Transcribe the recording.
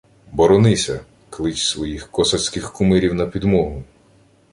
— Боронися! Клич своїх косацьких кумирів на підмогу!